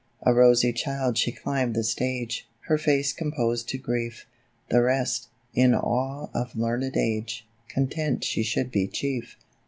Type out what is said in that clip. A rosy child she climbed the stage, Her face composed to grief, The rest, in awe of learned age, Content she should be chief.